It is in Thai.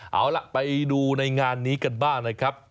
เอาล่ะไปดูในงานนี้กันบ้างนะครับ